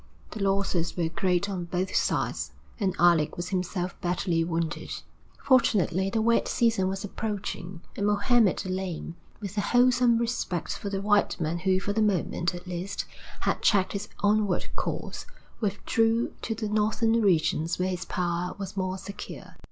The losses were great on both sides, and Alec was himself badly wounded. Fortunately the wet season was approaching, and Mohammed the Lame, with a wholesome respect for the white man who for the moment, at least, had checked his onward course, withdrew to the Northern regions where his power was more secure.